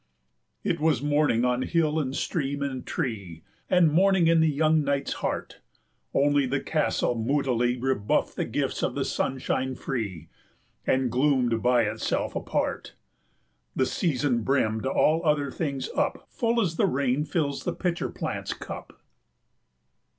It was morning on hill and stream and tree, 140 And morning in the young knight's heart; Only the castle moodily Rebuffed the gifts of the sunshine free, And gloomed by itself apart; The season brimmed all other things up 145 Full as the rain fills the pitcher plant's cup.